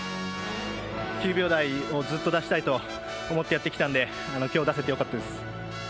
９秒台をずっと出したいと思ってやってきたので、きょう出せてよかったです。